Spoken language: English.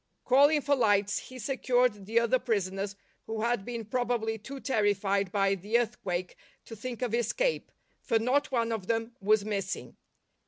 Calling for lights he secured the other prisoners who had been probably too terrified by the earthquake to think of escape, for not one of them w'as missing.